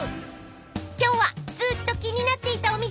［今日はずっと気になっていたお店へ］